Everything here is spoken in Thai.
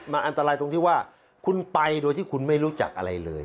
มันอันตรายตรงที่ว่าคุณไปโดยที่คุณไม่รู้จักอะไรเลย